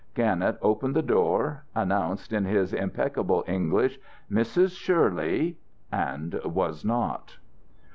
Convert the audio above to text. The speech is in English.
Gannett opened the door, announced in his impeccable English, "Mrs. Shirley," and was not.